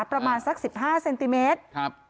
ประมาณสัก๑๕เซนติเมตร